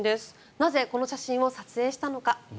なぜこの写真を撮影したのか。